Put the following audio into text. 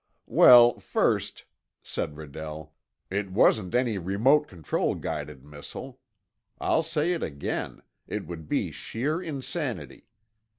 "Well, first," said Redell, "it wasn't any remote control guided missile. I'll say it again; it would be sheer insanity.